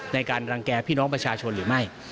ในการรังแก่พี่น้องประชาชนหรือไม่